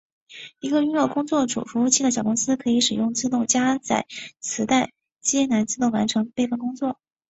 一个拥有工作组服务器的小公司可以使用自动加载磁带机来自动完成备份工作。